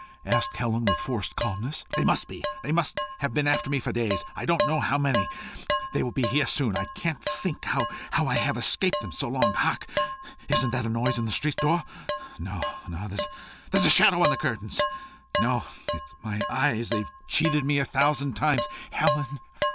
asked Helen, with forced calmness. "They must be. They must have been after me for days I don't know how many. They will be here soon. I can't think how I have escaped them so long. Hark! Isn't that a noise at the street door? No, no. There's a shadow on the curtains! No! it's my eyes; they've cheated me a thousand times. Helen!